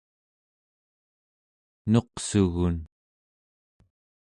nuqsugun